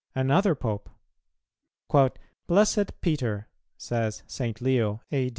Another Pope: "Blessed Peter," says St. Leo (A.